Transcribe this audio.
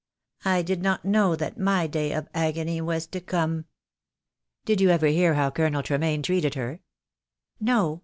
I did not know that my day of agony was to come." "Did you ever hear how Colonel Tremaine treated her?" "No!